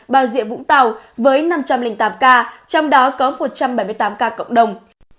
bà rịa vũng tàu với năm trăm linh tám ca trong đó có một trăm bảy mươi tám ca cộng đồng